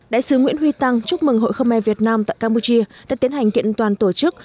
đại sứ nguyễn huy tăng chúc mừng hội khơ me việt nam tại campuchia đã tiến hành kiện toàn tổ chức